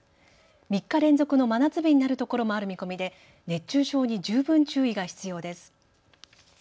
３日連続の真夏日になるところもある見込みで熱中症に十分注意が必要です。